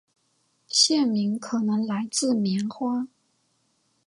县名可能来自棉花。